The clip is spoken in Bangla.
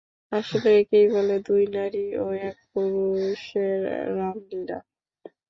আসলে, একেই বলে দুই নারী ও এক পুরুষের রামলীলা।